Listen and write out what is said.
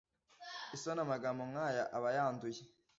isoni Amagambo nk ayo aba yanduye